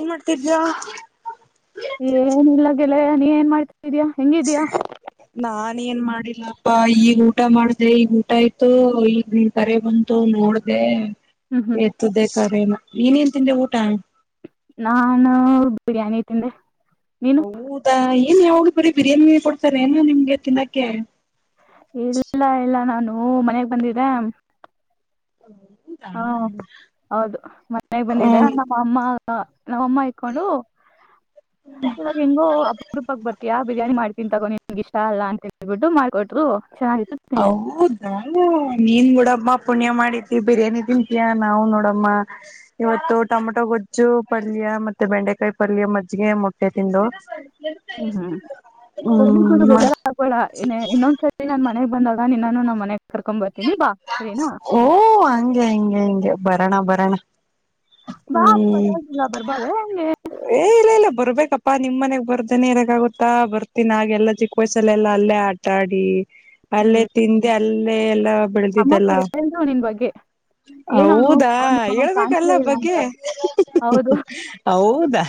ಏನ್ ಮಾಡಾತ್ತಿದಿಯಾ? [inaudible] [unintelligible] ಏನಿಲ್ಲ ಗೆಳೆಯ ನೀ ಏನ್ ಮಾಡ್ತಿದೀಯಾ ಹೆಂಗಿದೀಯಾ ಹು [inaudible] [unintelligible] ಹಾ ಈಗ ಊಟ ಮಾಡ್ದೆ ಈಗ ಊಟ ಆಯ್ತು ಈಗ ನಿನ್ ಕರೆ ಬಂತು ನೋಡ್ದೆ ಹ್ಮ್ ಎತ್ದೇ ಕರೆೇನ ನೀನೇನ್ ತಿಂದೆ ಊಟ ನಾನು ಬಿರಿಯಾನಿ ತಿಂದೆ ನೀನು ಹೌದಾ ಏನ್ ಯಾವಾಗಲು ಬರೀ ಬಿರಿಯಾನಿ ಕೊಡ್ತಾರೇನು ನಿಮ್ಗೆ ತಿನ್ನಕ್ಕೆೆ ಇಲ್ಲ ಇಲ್ಲ ನಾನು ಮನೆಗ್ ಬಂದಿದ್ದೆ [inaudible] ಹಾ ಹೌದು ಮನೆಗ ಬಂದಿದೆ ಹ್ಮ್ ನಮ್ಮ ಅಮ್ಮ ನಮ್ಮ ಅಮ್ಮ ಇಕೊಂಡು ಇವಾಗ್ ಹೆಂಗೋ ಅಪರೂಪಕ್ಕ ಬರತೀಯಾ ಬಿರಿಯಾನಿ ಮಾಡತ್ತಿನಿ ತಗೊ ನಿನಗ್ ನಿನಗ್ ಇಷ್ಟ ಅಲ್ಲ ಅಂತ ಹೇಳ್ಬಿಟ್ಟು ಮಾಡ್ಕೊಟ್ರು ಚೆನ್ನಾಗಿತ್ತು ತಿಂದೆ ಹೌದ್ ನೀನ್ ಬೀಡಮ್ಮ ಪುಣ್ಯ ಮಾಡಿದಿ ಬಿರಿಯಾನಿ ತಿಂತಯಾ ನಾವು ನೋಡಮ್ಮ ಇವತ್ತು ಟೊಮಟೊ ಗೊಜ್ಜು ಪಲ್ಯ ಮತ್ತೆ ಬೆಂಡೆಕಾಯಿ ಪಲ್ಯ ಮಜ್ಜಿಗೆ ಮೊಟ್ಟೆ ತಿಂದು ಹ್ಮ್ ಹ್ಮ್ [unintelligible] ಹ್ಮ್ ಬೇಜಾರಾಗಬೇಡ ಇನ್ನೊಂದ್ಸರಿ ನಾನ್ ಮನೆಗ್ ಬಂದಾಗ ನಿನ್ನನು ಮನೆಗ್ ಕರ್ಕೊಂಡ್ ಬರ್ತೀನಿ ಬಾ ಸರಿನಾ ಓ ಹಂಗೆ ಹಂಗೆ ಹಿಂಗೆ ಬರಣ ಬರಣ ಬಾ ಪರವಾಗಿಲ್ಲ ಬರ್ಬಾರದಾ ಹೆಂಗೆ ಏ ಇಲ್ಲ ಇಲ್ಲ ಬರ್ಬೇಕಪ್ಪಾ ನಿಮ್ ಮನೆಗ್ ಬರ್ದೇನೆ ಇರಕ್ಕಾಗುತ್ತಾ ಬರ್ತೀನಿ ಆಗೆಲ್ಲ ಚಿಕ್ಕ ವಯಸಲ್ಲೆಲ್ಲ ಅಲ್ಲೇ ಆ ಆಟ ಆಡಿ ಅಲ್ಲೇ ಹ್ಮ್ ತಿಂದಿ ಅಲ್ಲೆ ಎಲ್ಲ ಅಮ್ಮ ಕೇಳಿದ್ರು ನಿನ್ ಬಗ್ಗೆ ಏನ್ ಅವ್ನು ಹೌದಾ ಅವ್ನು ಕಾಣ್ಸ್ಲೇ ಹೇಳ್ಬಕಲ್ಲ ಇಲ್ಲ ಅಂತ ಬಗ್ಗೆ ಹೌದು ಹೌದಾ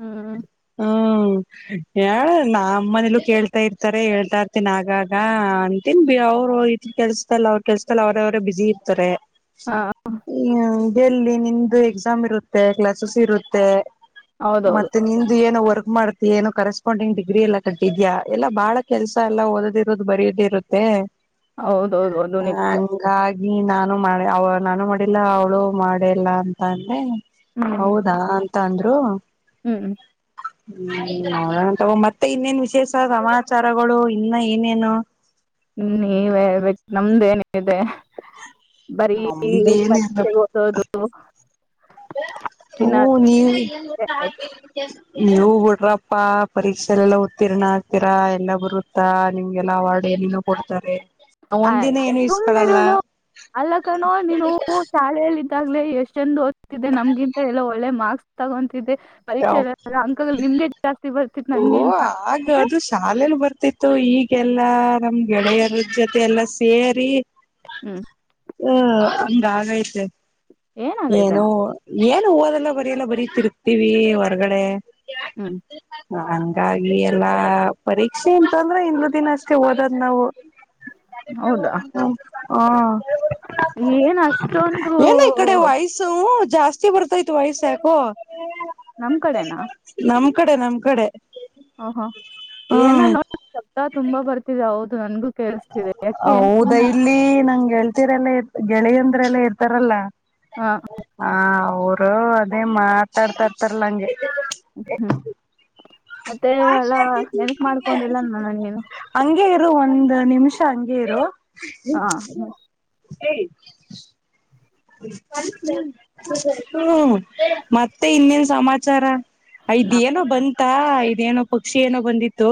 ಹ್ಮ ಹ್ಮ ಯ ನಮ್ಮನೆಲೂ ಕೇಳ್ತಾ ಇರ್ತಾರೆ ಹೇಳ್ತಾ ಇರ್ತನ್ ಆಗಾಗ ಅಂತೀನ್ ಬೆ ಅವ್ರು ಕೆಲ್ಸ್ದಲ್ಲ ಅವರ್ ಕೆಲ್ಸದಲ್ ಅವ್ರ ಅವರೇ ಬಿಜಿ ಇರ್ತಾರೆ ಹಾ ಗೆಲ್ಲಿ ನಿಂದು ಎಕ್ಸಾಮ್ ಇರುತ್ತೆ ಕ್ಲಾಸಸ್ ಇರುತ್ತೆ ಹೌದೌದು ಮತ್ತೆ ನಿಂ ದು ಏನೋ ವರ್ಕ್ ಮಾಡ್ತಿ ಏನೋ ಕರೆಸ್ಪಾಂಡಿಂಗ್ ಡಿಗ್ರಿ ಎಲ್ಲ ಕಟ್ಟಿದ್ಯಾ ಎಲ್ಲ ಬಹಳ ಕೆಲ್ಸ ಎಲ್ಲ ಓದದ್ ಇರೋದು ಬರಯದೇ ಇರುತ್ತ ತೇ ಹೌದೌದು ಅದು ನಿಜ ಹಂಗ್ ಹಂಗಾಗಿ ನಾನು ಮಾಡ ಅವ ನಾನು ಮಾಡಿಲ್ಲ ಅವಳು ಮಾಡೆಯಿಲ್ಲ ಅಂತ ಅಂದೆ ಹ್ಮ್ ಹೌದಾ ಅಂತ ಅಂದ್ರು ಹ್ಮ್ ಹ ನೋಡಣ ತೋಗೋ ಮತ್ತೆ ಇನ್ನೇನ್ ವಿಶೇಷ ಸಮಾಚಾರಗಳು ಇನ್ನ ಏನೇನು ಹ್ಮ ನೀವೇ ಹೇಳಬೇಕ್ ನಮ್ದೇನಿದೆ ಬರೀ ನಮ್ದ ಏನಿಲ್ಲ ಪರೀಕ್ಷೆಗ್ ಓದೋದು ಹ್ಮ ತಿನ್ನೋದು ನೀವ್ ಆಯ್ತು ನೀವು ಬಿಡ್ರಪ್ಪಾ ಪರೀಕ್ಷೆ ಎಲ್ಲ ಉತ್ತೀರ್ಣ ಆಗ್ತೀರಾ ಎಲ್ಲ ಬರು ಮತ್ತಾ ನಿಮ್ಗೆಲ್ಲ ಅವಾರ್ಡ್ ಏನೇನೋ ಕೊಡ್ತಾರೆ. ಒಂದಿನ ಆಯ್ತ ಏನು ಇಸ್ಕಳಲ್ಲ ಸುಮ್ಮನಿರುಲೊ ಅಲ್ಲಕ್ಕಣೊ ನೀನು ಶಾಲೆಯಲ್ಲಿ. ದಾಗಲೇ ಎಷ್ಟ ಚಂದ್ ಓದತಿದೆ ನಮ್ಗಿಂತ ಎಲ್ಲೋ ಒಳ್ಳೆ ಮಾರ್ಕ್ಸ್ ತಗೊಂತಿದೆ. ಪರೀಕ್ಷೆಲ್ಲೆಲ್ಲ ಅಂಕಗಳ ನಿಮ್ಗೆ ಜಾಸ್ತಿ ಬರ್ತಿತ್ತು ನನ್ಗಿಂತ ಮತ್ತೆ ಶಾಲೇಲ ಬರ್ತಿತ್ತು ಈಗೆಲ್ಲಾ ನಮ್ ಗೆಳೆಯರ ಜೊತೆ ಎಲ್ಲಾ ಸೇರಿ ಹ್ಮ್ ಹ ಹಂಗಾಗೈತೆ ಏನಾಗೈತೆ ಏನೋ ಏನು ಓದೆಲ್ಲ ಬರಿಯೆಲ್ಲ ಬರಿ ತೀರ್ಘ್ತೀವಿ ಹೊರಗಡೆ ಹ್ಮ ಹಂಗಾಗಿ ಎಲ್ಲಾ ಪರೀಕ್ಷೆ ಎಂತ ಅಂದ್ರೆ ಹಿಂದಿನ ದಿನ ಅಷ್ಟೇ ಓದದ್ ನಾವು ಹೌದಾ [unintelligible] ಹ ಹ ಏನ್ ಅಷ್ಟೊಂದು ಹೂ ಜಾಸ್ತಿ ಬರ್ತ ಇತ್ ವಯಸ್ಸ್ಯಾಕು ನಮ್ ಕಡೆನಾ ನಮ್ ಕಡೆ ನಮ್ ಕಡೆ ಓಹೋ ಏನ ಹ್ಮ್ ನೋಡ ಶಬ್ದ ತುಂಬಾ ಬರ್ತಿದೆ ಹೌದು ನನ್ಗು ಹೌದಾ ಇಲ್ಲಿ ನಂಗ ಗೆಳ್ತರಲ್ಲ ಗೆಳೆಯಂದ್ರೆಲ್ಲಾ ಇರ್ತಾರಲ್ಲ ಹಾ ಹ ಅವರು ಅದೇ ಮಾತಾಡ್ತರ್ತರ್ಲಂಗೆ ಹ್ಮ ಹ್ಮ್ ಮತ್ತೆ ಎಲ್ಲಾ ನೆನಕ್ ಮಾಡ್ಕೊಂಡಿಲ್ಲನ್ಣ ನೀನು ಹಂಗಗೆ ಇರು ಒಂದ್ ನಿಮಿಷ ಹಂಗೆ ಇರು ಹಾ ಹ್ಮ ಮತ್ತೆ ಇನ್ನೇನ್ ಸಮಾಚಾರ ಇದೇನೋ ಬಂತ ಇದೇನೋ ಪಕ್ಷಿ ಏನೋ ಬಂದಿತ್ತು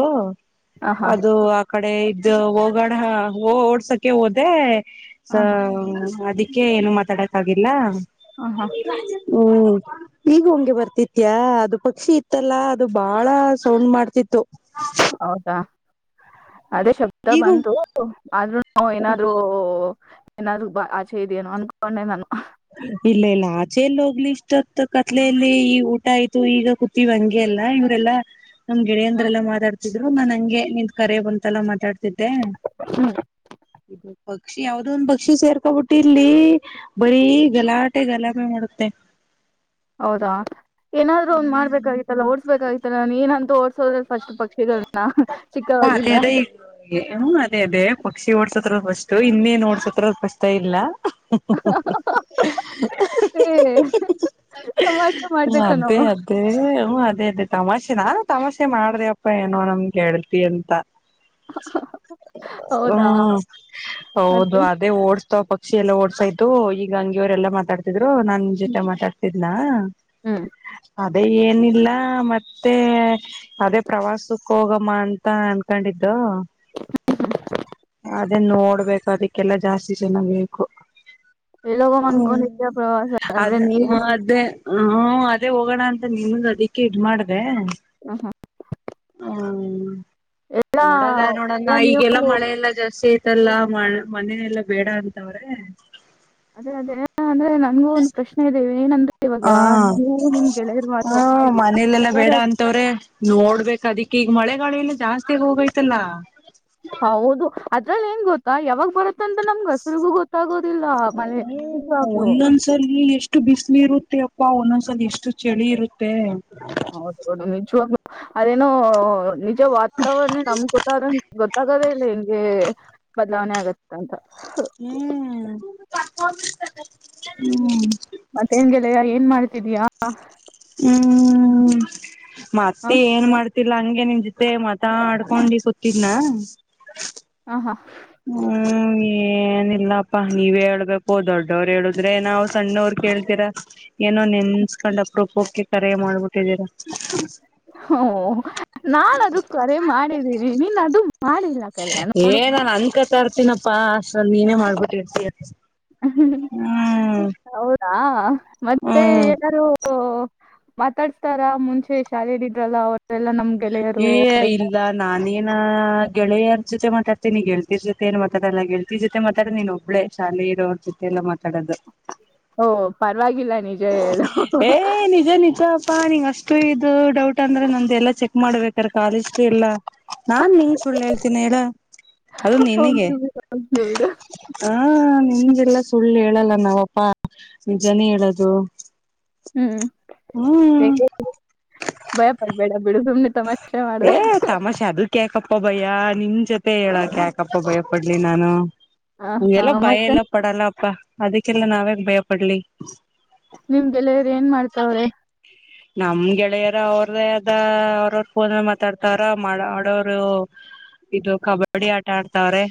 ಆಹಾ ಅದು ಕಡೆ ಇದ ಹೋಗೋಡ ಓಡ್ಸಕ ಹೋದೆ ಆಹಾ ಅದಿ ಅದಿಕ್ಕೆ ಏನು ಮಾತಾಡಕ್ಕ ಆಗಿಲ್ಲ ಹ ಹಾ ಹ್ಮ್ ಈಗ ಹಂಗೆ ಬರ್ತಿತ್ಯ ಅದು ಪಕ್ಷಿ ಇತ್ತಲ್ಲಾ ಅದು ಬಾಳ ಸೌಂಡ್ ಮಾಡ್ತಿತ್ತು ಹೌದಾ ಅದೇ ಶಬ ಶಬ್ದ ಈಗ ಬಂತು ಆದ್ರೂ ನಾ ಏನಾದ್ರು ಏನಾದ್ರು ಬ ಆಚೆ ಇದೆಯೇನೋ ಅನ್ಕೊಂಡೆ ನಾನು ಇಲ್ಲ ಇಲ್ಲ ಆಚೆೆಯಲ್ಲಿ ಹೋಗ್ಲಿ ಇಷ್ಟತ್ ಕತ್ಲೆಯಲ್ಲಿ ಈ ಊಟ ಆಯ್ತು ಈಗ ನೀವಂಗೆ ಎಲ್ಲಾ ಇವರೆಲ್ಲಾ ನಮ್ ಗೆಳೆಯಂದ್ರ ಎಲ್ಲಾ ಮಾತಾಡ್ತಿದ್ರು ನಾನ್ ಹಂಗೆ ನಿಂದ್ ಕರೆ ಬಂತಲ್ಲಾ ಮಾತಾಡ್ತಿದ್ದೆ ಹ್ಮ್ ಇದು ಪಕ್ಷಿ ಯಾವ್ದ ಒಂದ ಪಕ್ಷಿ ಸೇರ್ಕೋಬಿಟ್ಟಿರ್ಲ್ಲಿ ಬೀ ಗಲಾಟೆ ಗಲಾಮೆ ಮಾಡುತ್ತೆ ಹೌದಾ ಏನಾದ್ರೂ ಒನ್ ಹ್ಮ್ ಮಾಡ್ಬೇಕಾಗಿತ್ತಲ್ಲ ಓಡ್ಸ್ಬೇಕಾಗಿತ್ತಲ್ಲ ನಾನ ನೀನಂತೂ ಓ ಸೋಲ್ ಫಸ್ಟ್ ಪಕ್ಷಿಗಳನ ಚಿಕ್ಕವಾಗಿಂದ ಹ್ಮ್ ಅದೇ ಅದೇ ಪಕ್ಷಿ ಓಡ್ಸತ್ರ ಫಸ್ಟ್ ಇನ್ನೇನ್ ಓಡ್ಸತ್ರ ಕಷ್ಟ ಇಲ್ಲ ಹೇ ತಮಾಷೆ ಮಾಡಿದ ಕಣೊ ಅ ಹ ಅದೇ ಅದೇ ತಮಾಷೆ ನಾನು ತಮಾಷೆ ಮಾಡಿದೆ ಅಪ್ಪ ಏನೋ ನಮ್ಮ ಗೆಳತಿ ಅಂತ ಹೌದಾ ಹ್ಮ್ ಮತ್ತೆ ಹೌದು ಅದೇ ಓಡ್ಸ್ತ ಪಕ್ಕ ಪಕ್ಷಿ ಎಲ್ಲ ಓಡಿಸಿ ಆಯ್ತು ಈಗ ಹಂಗಗೆ ಅವರೆಲ್ಲ ಮಾತಾಡತ ದರು ನಾನ್ ನಿನ್ ಜೊತೆ ಮಾತಾಡ್ತಿದ್ನ ಹ್ಮ್ ಅದೇ ಏನಿಲ್ಲ ಮತ್ತೆ ಅದೇ ಪ್ರವಾಸಕ್ಕ ಹೋಗಮ್ಮ ಅಂತ ಅನ್ ಅಂಕೊಂಡಿದ್ದು ಅದ ನೋಡ್ಬೇಕು ಅದಕ್ಕೆಲ್ಲಾ ಜಾಸ್ತಿ ಜನ ಬೇಕು ಎಲ್ಲೋಗೋ ಅನ್ಕೊಂಡಿದ್ಯಾ ಪ್ರವಾಸ ಅದ ಅಂದ್ರೆ ನೀವು ಅದೇ ಹ್ಮ ಹ್ಮು ಅದೇ ಹೋಗೋಣ ಅಂತ ನಿಮ್ಮನ್ನು ಅದಿಕ್ಕೆ ಇದ್ ಮಾಡ್ದೆ ಹ ಹಾ ಹ್ಮ ಎಲ್ಲಾ ನೋಡದಾ ನೋಡೋಣ್ಣಾ ಈಗೆಲ್ಲಾ ಮಳೆ ಎಲ್ಲಾ ಜಾಸ್ತಿ ಐತೆ ಮತ್ತಲ್ಲಾ ಮ ಮನೆನೆಲ್ಲಾ ಬೇಡ ಅಂತವ್ರೇ ಅದೇ ಅದೇ ಅಂದ್ರೆ ನನ್ಗೂ ಒಂದ್ ಪ್ರಶ್ನೆ ಇದೆ ಏನಂದ್ರೆ ಇವಾಗ ಹಾ ನೀವು ನಿಮ್ ಗೆಳೆಯರು ಮಾತ್ರ ಹೋಗ್ತಿದಿರಾ ಯಾರಾದ್ರೂ ತ್ತವ್ರೆ ನೋಡ್ಬೇಕ ಅದಿಕ್ ಈಗ ಮಳೆಗಾಳಿ ಎಲ್ಲ ಜಾಸ್ತಿ ಹೋಗೈತಲ್ಲಾ ಹೌದು ಅದ್ರಲ್ಲಿ ಏನ್ ಗೊತ್ತಾ ಯಾವಾಗ ಬರುತ್ತೆ ತ್ತಂತ್ ನಮ್ಗೆ ಹೆಸರಿಗೂ ಗೊತ್ತಾಗೋದಿಲ್ಲ ಮಳೆ ನಿಜ್ವಾಗ್ಲೂ ಒಂದ್ಸಲ ಎಷ್ಟು ಬಿಸ್ಲಿರುತ್ತೆ ಯಪ್ಪಾ ಒಂದೊಂದ್ಸಲಿ ಎಷ್ಟು ಚಳಿ ಇರುತ್ತೆ. ಹೌದೌದು ನಿಜ್ವಾಗ್ಲೂ ಅದೇನೋ ನಿಜ ವಾತಾವರಣ ನಮ್ ಗೊತ್ತಾದಂಗ್ ಗೊತ್ತ ಆಗೋದ ಇಲ್ಲ ಹೆಂಗೆ ಬದಲಾವಣೆ ಆಗತ್ತೆ ಅಂತ ಹ ಹ್ಮೂ [unintelligible] ಹ್ಮ್. ಮತ್ತೇನ್ ಗೆಳೆಯಾ ಏನ್ ಮಾಡ್ತಿದಿಯಾ ಹ್ಮ್ [unintelligible] ಹ ಮತ್ತೆ ಏನ್ ಮಾಡ್ತ ಗೊತ್ತಿಲ್ಲ ಹಂಗೆ ನಿನ್ ಜೊತೆ ಮಾತಾಡ್ಕೊಂಡಿ ಕೂತಿದ್ನಾ ಆ ಹಾ. ಹ್ಮ ಏ ಏನಿಲ್ಲಪ್ಪಾ ನೀವೇ ಹೇಳ್ಬೇಕು ದೊಡ್ಡವ್ರ ಹೇಳುದ್ರೆ ನಾವ್ ಸಣ್ಣವ್ರ ಕೇಳ್ತೀರಾ ಏನೋ ನೆನ್ಸ್ಕೊಂಡ್ ಅಪರೂಪಕ್ಕೆ ಕರೆ ಮಾಡ್ಬಿಟ್ಟಿದ್ದೀರಾ ಹೂ ನಾನಾದ್ರೂ ಕರೆ ಮಾಡಿದ್ದೀನಿ ನೀನ್ ಅದು ಮಾಡಿಲ್ಲ ಕರೆ ಏ ನಾನ್ ಅನ್ಕತಾ ಇರ್ತೀನಪ್ಪಾ ಅಸ್ಟ್ರಲಿ ನೀನೇ ಮಾಡ್ಬಿಟ್ಟರ್ತೀಯಾ ಹ್ಮ ಹೌದಾ ಮತ್ತೆ ಹ್ಮ್ ಎಲ್ಲಾರೂ ಮಾತಾಡ್ಸ್ತಾರಾ ಮುಂಚೆ ಶಾಲೆಲೆ ಇದ್ರಲ್ಲ ಅವ್ರೆಲ್ಲ ನಮ್ [unintelligible] ಗೆಳೆಯರು ಏ ಅವರೆಲ್ಲ ಇಲ್ಲ ನಾನೇನಾ ಗೆಳೆಯರ ಜೊತೆ ಮಾತಾಡ್ತೀನಿ ಗೆಳತಿರ್ ಜೊತೆ ಏನ್ ಮಾತಾಡಲ್ಲ ಗೆಳತಿರ್ ಜೊತೆ ಮಾತಾಡ್ತಿ ನೀನ್ ಒಬ್ಳೇ ಶಾಲೆಲಿ ಇರೋವ್ರ ಜೊತೆ ಎಲ್ಲ ಮಾತಾಡೋದು ಓ ಪರವಾಗಿಲ್ಲ ನೀನ್ [unintelligible] ಏ ನಿಜಾ ನಿಜಾ. ಪ್ಪಾ ನೀಂಗ್ ಅಷ್ಟು ಇದು ಡೌಟ್ ಅಂದ್ರೆ ನಂದ್ದ ಎಲ್ಲಾ ಚೆಕ್ ಮಾಡ್ಬೇಕ್ರ ಕಾಲೇಜ್ದ ಎಲ್ಲಾ ನಾನ್ ನಿಂಗ್ ಸುಳ್ಳ್ ಹೇಳ್ತೀನಾ ಹೇಳ ಅದು ನಿನಗೆ ಹೋಗ್ಲಿ ಬಿಡು ಹೋಗ್ಲಿ ಬಿಡು ಹಾ ನಿಮಗೆಲ್ಲ ಸುಳ್ಳು ಹೇಳಲ್ಲ ನಾವಪ್ಪಾ ನಿಜಾನೇ ಹೇಳೋದು. ಹ್ಮು. ಹ್ಮೂ [unintelligible] ಭಯಪಡ್ಬೇಡ ಬಿಡು ಸುಮ್ನೆ ತಮಾಷೆ ಮಾಡ್ದೆ ಏ ತಮಾಷೆ ಅದುಕ್ ಯಾಕಪ್ಪ ಭಯ ನಿನ್ ಜೊತೆ ಹೇಳೊಕ್ ಯಾಕಪ್ಪ ಭಯ ಪಡ್ಲಿ ನಾನು ಆ ಹಾ ಹಂಗೆಲ್ಲ ಭಯ ಮತ್ತೆ ಎಲ್ಲ ಪಡಲ್ಲಪ್ಪಾ ಅದಕ್ಕೆಲ್ಲ ನಾವ್ಯಾಕ್ ಭಯ ಪಡ್ಲಿ ನಿಮ್ ಗೆಲೆಯರ್ ಏನ್ ಮಾಡ್ತಾವ್ರೆ ನಮ್ ಗೆಳೆಯರ್ ಅವ್ರವ್ರ ಅದೇ ಅವ್ರವ್ರ ಫೋನ್ ಒಳಗ್ ಮಾತಾಡ್ತಾವ್ರ ಮಾಡೋರು ಇದು ಕಬಡ್ಡಿ ಆಟ ಆಡ್ತಾವ್ರೆ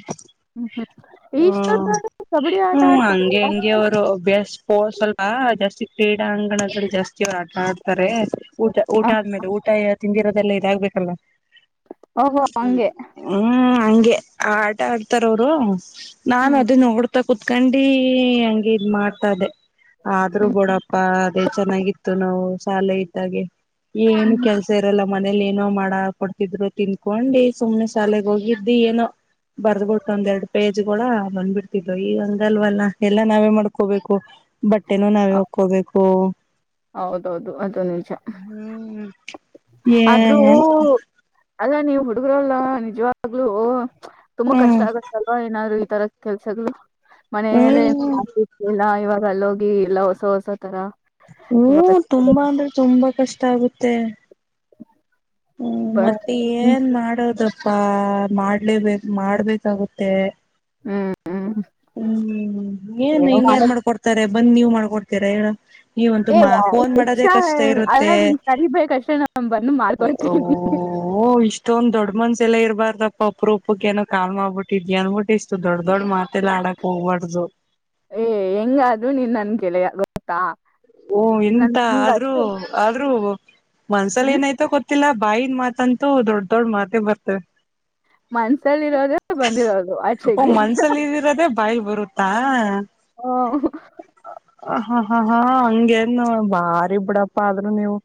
ಹ್ಮ್ ಹ್ಮ್ ಹು ಇಷ್ಟೊತ್ತಾದ್ರೂ ಕಬಡ್ಡಿ ಆಟ ಹ್ಮ್ ಹಂಗೆ ಆಡ್ತಾರಲ್ಲ ಹಂಗೆ ಅವರು ಅಭ್ಯಾಸ ಹು ಸ್ವಲ್ಪ ಜಾಸ್ತಿ ಕ್ರೀಡಾ ಅಂಗಣದಲ್ಲಿ ಜಾಸ್ತಿ ಅವ್ರು ಆಟ ಆಡ್ತಾರೆ ಊಟ ಊಟ ಆದ್ಮೇಲೆ ಊಟ ತಿಂದಿರೋದೆಲ್ಲ ಇದಾಗ್ಬೇಕಲ್ಲ ಓಹೋ ಹಂಗೆ ಹ್ಮ್ ಹಂಗೆ ಆಟ ಆಡ್ತಾರ ಅವ್ರು ನಾನ್ ಹ್ಮ್ ಅದನ್ ನೋಡ್ ನೋಡ್ತಾ ಕುತ್ಕೊಂಡಿ ಹಂಗ ಇದ್ ಮಾಡ್ತಾ ಇದ್ದೆ ಆದ್ರೂ ಹ್ಮ್ ಬೋಡಪ್ಪ ಏ ಚೆನ್ನಾಗಿತ್ತು ನಾವು ಶಾಲೆ ಇದ್ದಾಗೆ ಏನ್ ಹ್ಮ್ ಕೆಲ್ಸ ಸೇರೆಲ್ಲ ಮನೇಲಿ ಏನೋ ಮಾಡಹಾಕಿಕೊಡ್ತಿದ್ರು ತಿನ್ಕೊಂಡು ಸುಮ್ಮ್ನೆ ಶಾಲೆೆಗೆ ಹೋಗಿದ್ದಿ ಏನೋ. ಬರ್ದಬಿಟ್ಟು ಒಂದ ಎರಡ್ ಪೇಜ್ಗಳ ಬಂದ್ಬಿಡ್ತಿದ್ವ ಈಗ ಹಂಗಲ್ವಲ್ಲ ನಾವೇ ಮಾಡ್ಕೋಬೇಕು. ಬಟ್ಟೆನೂ ನಾವೇ ಹೊಕ್ಕೋಬೇಕು. ಹೌದೌದು ಅದು ನಿಜ. ಹ್ಮ್ ಏನ್. ಅಲ್ಲಾ ನೀವು ಹುಡುಗ್ರಲ್ಲ ನಿಜವಾಗ್ಲುೂ ತುಂಬಾ ಕಷ್ಟ ಹ್ಮ್ ಆಗತ್ತಲ ಏನಾದ್ರು ಈತರ. ಕೆಲ್ಸಗಳು ಮನೆಯಲ್ಲಿ ಹ್ಮ್ [unintelligible] ಇವಾಗ ಅಲ್ಲೋಗಿ ಎಲ್ಲ ಹೊಸಹೊಸ ತರ ಹೂ ತುಂಬಾ ಕಷ್ಟ ಇದೆ ತುಂಬಾ ಅಂದ್ರೆ ತುಂಬಾ ಕಷ್ಟ ಆಗುತ್ತೆ. ಹ್ಮ್ ಬ- ಮತ್ತೆ ಹ್ಮ್ ಏನ್ ಮಾಡದಪ್ಪಾ ಮಾಡ್ಲೇಬೇಕ ಮಾಡ್ಬೇಕಾಗುತ್ತೆ. ಹ್ಮ್ ಹ್ಮ್. ಹ್ಮ್ ಏನ್ ಹಿಂನ್ ಯಾರ್ ಮಾಡ್ಕೊಡ್ತಾರೆ ಬಂದ ನೀವ್ ಮಾಡ್ಕೊಡ್ತೀರ ಹೇಳ. ಏ ನೀವು ಫೋನ್ ಮಾಡದೇ ಅಕ್ಷಾ, ಕಷ್ಟ ಅಲ್ಲ ಇರುತ್ತೆ. ನೀನ್ ಕರಿಬೇಕಷ್ಟೇ ನಾನ್ ಬಂದು ಮಾಡ್ಕೊಡ್ತೀನಿ ಓಹೋ. ಇಷ್ಟೊಂದ ದೊಡ್ ಮನಸ್ಸು ಎಲ್ಲಾ ಇರಬಾರದಪ್ಪ ಅಪ್ಪರೂಪಕ್ಕೆ ಏನೋ ಕಾಲ್ ಮಾಡಬಿಟ್ಟಿಇದಿಯಾ ಅಂದುಬಿಟ್ಟು ಇಷ್ಟ ದೊಡ್ಡ ದೊಡ್ಡ ಮಾತು. ಮತ್ತೆಲ್ಲ ಆಡೋಕೆ ಹೋಗಬಾರ್ದು. ಏ ಹೆಂಗ್ ಅದು ನೀನ್ ನನ್ನ ಗೆಳೆಯ ಗೊತ್ತಾ. ಓ ನನ್ ಎಂತ ನಿಂಗ್ ಆದ್ರರು ಅಷ್ಟು ಆದ್ರೂ ಮನ್ಸಲ್ ಹ್ಮ್ ಏನಾಯ್ತ ಗೊತ್ತಿಲ್ಲ ಬಾಯನ್ ಮಾತಂತ. ದೊಡ್ಡ ದೊಡ್ಡ ಮಾತೆ ಬರ್ತವೆ. ಮನ್ಸಲ್ಲಿ ಇರೋದು ಬಂದಿರೋದು ಆಚೆಗೆ. ಇರೋದೇಬಾಯಲ್ಲಿ ಬರುತ್ತಾ. ಹು. ಹಾ ಹಾ ಹಾ. ಹಂಗೇನು ಬಾರಿ ಬಿಡಪ್ಪ ಆದ್ರರು ನೀವು.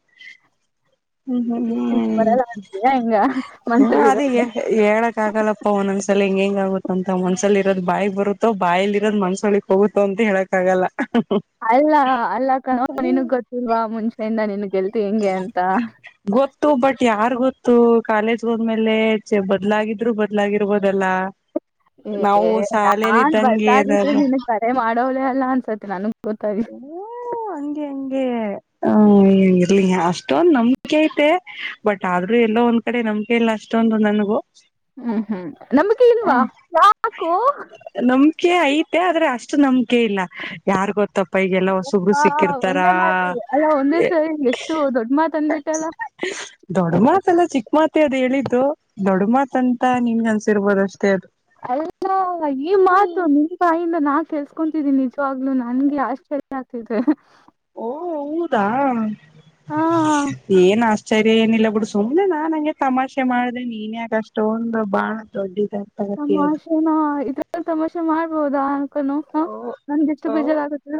ಹ್ಮ್ ಹ್ಮ್ ಬರಲ್ಲ ಅಂತೀಯ ಹೆಂಗ ಹ್ಮ್ ಮನ್ಸಲ್ಲಿರೋದು ಯಾರಿಗೆ. ಹೇಳಕ್ ಆಗಲ್ಲಪ್ಪ ಒಂದೊಂದ್ಸಲ ಹೆಂಗ ಹೆಂಗ ಆಗುತ್ತ ಅಂತ ಮನಸಲ್ಲಿ ಇರೋದು ಬಾಯ್ ಬರುತ್ತೋ ಬಾಯಲಿ ಇರೋದು ಮನಸು ಒಳ್ಳಿಕೆ. ಹೋಗುತ್ತೋ ಅಂತ ಹೇಳಕ್ಕಗಲ್ಲ ಅಲ್ಲ ಅಲ್ಲ ಕಣೋ ನಿನಗೆ ಗೊತ್ತಿಲ್ವಾ ಮುಂಚೆಯಿಂದನು ನಿನ್ನ ಗೆಳತಿ ಹೆಂಗೆ ಅಂತ. ಗೊತ್ತು ಬಟ್ ಯಾರ್ ಗೊತ್ತು ಕಾಲೇಜ್ ಹೋದ್ಮೇಲೆ ಬದ್ಲಾಗಿದ್ರು ಬದ್ಲಾಗಿರ್ಬೋದಲ್ಲಾ. [unintelligible] ಏ ನಾನ್ ಇದ್ದಂಗೆ ಬಸಾಗಿದ್ರೆ ಇರೋದು ನಿನ್ ಕರೆ ಮಾಡೋಳೇ ಅಲ್ಲಾ ಅನ್ಸತ್ ನನ್ಗ್ ಗೊತ್ತಾಗಲಿ. ಹ್ಮ ಹಂಗೆ ಹಂಗೆ ಹು. ಇಗ್ಲಿ ಅಷ್ಟೊಂದ ನಂಬಿಕೆ ಐತೆ ಬಟ್ ಆದ್ರೂ ಎಲ್ಲೋ ಒಂದ್ ಕಡೆ ನಂಬಿಕೆ ಇಲ್ಲ ಅಷ್ಟೊಂದು ನನಗು. ಹ್ಮ್ ಹ್ಮ್ ನಂಬಿಕೆ ಇಲ್ವಾ ಯಾಕೋ. ನಂಬಿಕೆ ಐತೆ ಆದ್ರೆ ಅಷ್ಟು ನಂಬಿಕೆ ಇಲ್ಲ ಯಾರ್ ಗೊತ್ತಪ್ಪ. ಈಗ ಎಲ್ಲಾ ಹೊಸೊಬ್ರು ಆ, ಸಿಕ್ಕಿರ್ತಾರಾ. ಒಂದೇ ಮಾತು ಅಲ್ಲ ಒಂದೇ ಸರಿ ಎಷ್ಟು ದೊಡ್ಡ ಮಾತು ಅಂದ್ಬಿಟ್ಟಲ್ಲ ದೊಡ್ಡ ಮಾತು. ಎಲ್ಲ ಚಿಕ್ಕ ಮಾತೆ ಅದು ಹೇಳಿದ್ದು ದೊಡ್ಡ ಮಾತು ಅಂತ ನಿಮ್ಗೆ ಅನ್ಸಿರ್ಬೋದು ಅಷ್ಟೇ ಅದು. ಎಲ್ಲ ಈ ಮಾತು ನಿನ್ ಬಾಯಿಂದ ನಾ ಕೇಳಿಸ್ಕೊತಿದೀನಿ ನಿಜವಾಗ್ಲುೂ ನನ್ಗೆ ಆಶ್ಚರ್ಯ. ಆಗತೈತೆ. ಓಹೋ ಹೌದ ಆ ಏನ್ ಆಶ್ಚರ್ಯ. ಸರಿ ಏನಿಲ್ಲ ಬಿಡ್ ಸುಮ್ನೆ ನಾನ್ ಹಂಗೆ ತಮಾಷೆ ಮಾಡ್ದೆ ನೀನು ಯಾಕೆ ಅಷ್ಟೊಂದು ಬಹಳ ದೊಡ್ಡಿದೆ ತಮಾಷೆನ ಇದರಲ್ಲಿ ತಮಾಷೆ ಮಾಡ್ಬೋದಾ. ಹ ಓ ನನ್ಗೆ ಎಷ್ಟು ಓ ಬೇಜಾರ್ ಆಗುತ್ತೆ.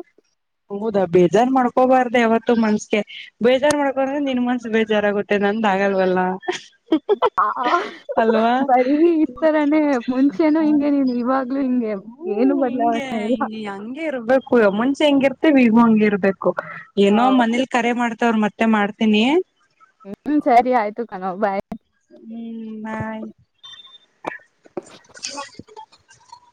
ಹೌದಾ ಬೇಜಾರ್ ಮಾಡ್ಕೋಬಾರ್ದ ಯಾವತ್ತು ಮನಸಿಗೆ. ಬೇಜಾರ್ ಮಾಡ್ಕೊಂದ್ರೆ ನಿನ್ ಮನ್ಸು ಬೇಜಾರ್ಗುತ್ತೆ ನಂದ ಆಗಲ್ವಲ್ಲ. [unintelligible] ಹ ಅಲ್ವಾ ಬರೀ ಇತರಾನೇ ಮುಂಚೆನ ಹಿಂಗೆ ನೀನು ಇವಾಗ್ಲು ಹಿಂಗೆ ನಿನ್ ಹೂ ಏನು ಹಿಂಗೆ ಬದಲಾವಣೆ ಇಲ್ ಹಿಂಗೆ ಹಂಗೆ ಇರ್ಬೇಕು ಮುಂಚೆ ಹೆಂಗ ಇರ್ತೇವಿ ಈಗ ಹಂಗಿ ಇರ್ಬೇಕು ಏನೋ ಹೌದು ಮನೇಲಿ ಕರೆ ಮಾಡ್ತವ್ರ ಮತ್ತ ಮತ್ತೆ ಮಾಡ್ತೀನಿ. ಹ್ಮ್ ಸರಿ ಆಯ್ತು ಕಣವ ಬಾಯ್ ಹ್ಮ್ ಬಾಯ್ [unintelligible]